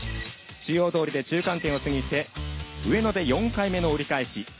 中央通りで中間点を過ぎて上野で４回目の折り返し。